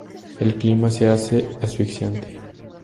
El clima se hace asfixiante.